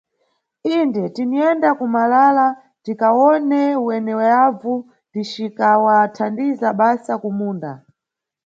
Inde, tiniyenda kuMalala tikawone weneyavu ticikawathandiza basa kumunda.